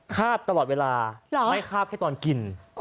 คาบตลอดเวลาไม่คาบเกี่ยวกับกลางวันกิน